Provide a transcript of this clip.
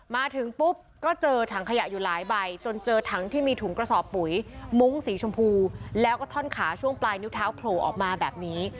มาถึงปุ๊บก็เจอถังขยะอยู่หลายใบจนเจอถังที่มีถุงกระสอบปุ๋ยมุ้งสีชมพูแล้วก็ท่อนขาช่วงปลายนิ้วเท้าโผล่ออกมาแบบนี้